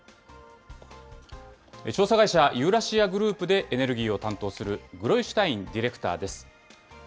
調査会社、ユーラシア・グループで、エネルギーを担当する、グロイシュタインディレクターです。